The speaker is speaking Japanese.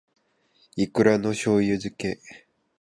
いくらの醬油漬け